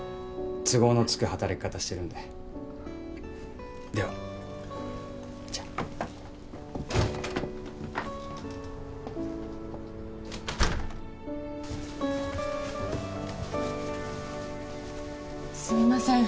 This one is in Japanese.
都合のつく働き方してるんでではじゃすみません